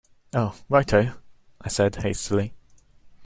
"Oh, right ho," I said hastily.